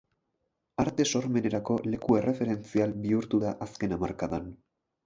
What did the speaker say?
Arte sormenerako leku erreferentzial bihurtu da azken hamarkadan.